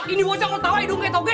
ini bocah ngertawa idung kaya toge